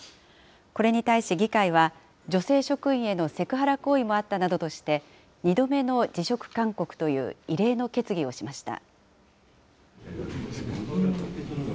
これに対し、議会は女性職員へのセクハラ行為もあったなどとして、２度目の辞職勧告という異例の決議をしました。